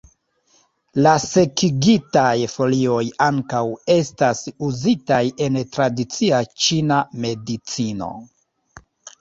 La sekigitaj folioj ankaŭ estas uzitaj en tradicia ĉina medicino.